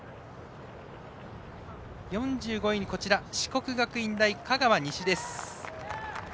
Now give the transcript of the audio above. ４５位に四国学院大香川西。